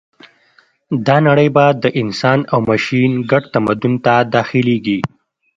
دا نړۍ به د انسان او ماشین ګډ تمدن ته داخلېږي